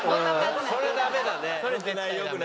それはダメだね。